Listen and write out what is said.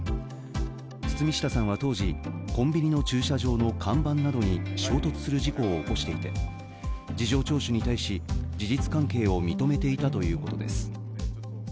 堤下さんは当時、コンビニの駐車場の看板などに衝突する事故を起こしていて事情聴取に対し事実関係を認めていたということです。